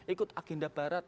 ikut agenda barat